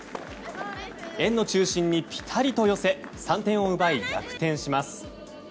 円の中心にピタリと寄せて３点を奪い逆転します。